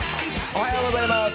おはようございます。